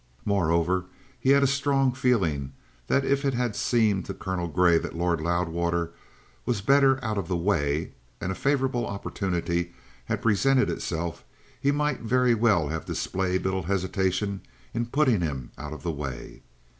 Moreover, he had a strong feeling that if it had seemed to Colonel Grey that Lord Loudwater was better out of the way, and a favourable opportunity had presented itself, he might very well have displayed little hesitation in putting him out of the way.